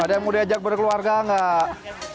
ada yang mau diajak berkeluarga nggak